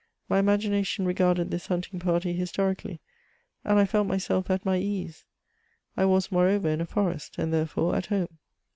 My imagination regarded this hunting party historically, and I felt myself at my ease ; I was, moreover, in a forest, and therefore at home.